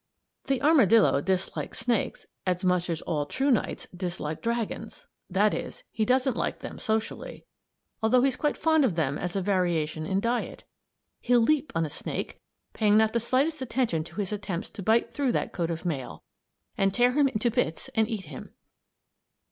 The armadillo dislikes snakes as much as all true knights disliked dragons. That is, he doesn't like them socially; although he's quite fond of them as a variation in diet. He'll leap on a snake, paying not the slightest attention to his attempts to bite through that coat of mail, and tear him into bits and eat him.